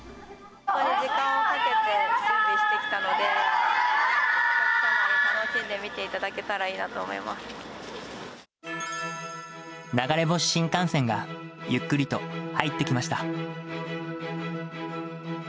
本当に時間をかけて準備してきたので、お客様に楽しんで見ていた流れ星新幹線がゆっくりと入ってきました。